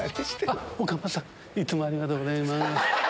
岡村さん、いつもありがとうございます。